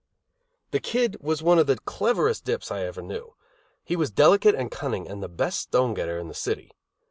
The Kid was one of the cleverest dips I ever knew; he was delicate and cunning, and the best stone getter in the city.